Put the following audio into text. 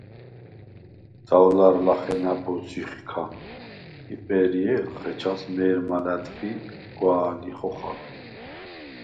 შდავლა̈რ ლახე ნა̈ბოზს ჟიხიქა იპვე̄რჲე̄ლხ, ეჯას მე̄რმა ლა̈დღი გვა̄̈ლი ხოხალ.